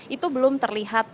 itu belum terlihat